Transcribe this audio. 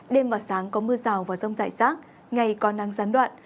đêm và sáng có mưa rào và rông dại sáng ngày còn nắng gián đoạn